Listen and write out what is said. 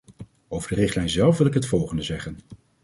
Over de richtlijn zelf wil ik het volgende zeggen.